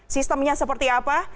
sistemnya seperti apa